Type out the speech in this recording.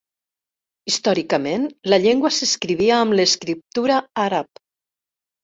Històricament, la llengua s'escrivia amb l'escriptura àrab.